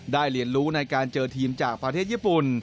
เรียนรู้ในการเจอทีมจากประเทศญี่ปุ่น